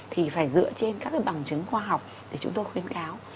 thì phải dựa trên các bằng chứng khoa học để chúng tôi khuyến cáo